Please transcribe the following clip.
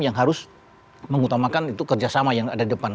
yang harus mengutamakan itu kerjasama yang ada di depan